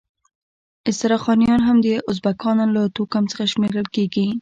استرخانیان هم د ازبکانو له توکم څخه شمیرل کیږي.